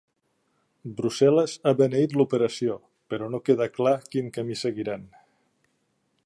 Brussel·les ha beneït l’operació, però no queda clar quin camí seguiran.